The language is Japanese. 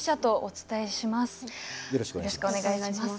よろしくお願いします。